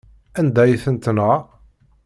Anda ay ten-tenɣa?